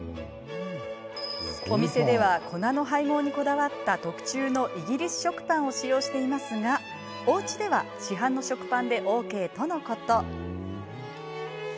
お店では、粉の配合にこだわった特注のイギリス食パンを使用していますがおうちでは市販の食パンでＯＫとのこと。